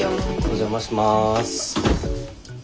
お邪魔します。